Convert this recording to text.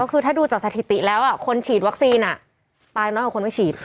คือถ้าดูจากสถิติแล้วคนฉีดวัคซีนตายน้อยกว่าคนไม่ฉีด